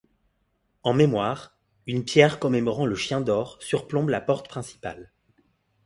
En mémoire, une pierre commémorant le chien d'or surplombe la porte principale.